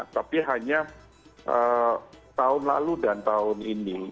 tapi hanya tahun lalu dan tahun ini